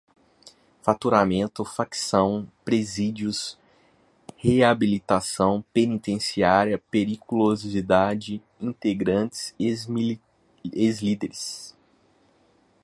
faturamento, facção, presídios, reabilitação, penitenciária, periculosidade, integrantes, ex-líderes